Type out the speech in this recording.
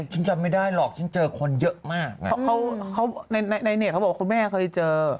ฉันจำไม่ได้หรอกฉันเจอคนเยอะมากนะเขาในในเน็ตเขาบอกว่าคุณแม่เคยเจอ